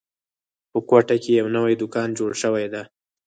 په کوټه کې یو نوی دوکان جوړ شوی ده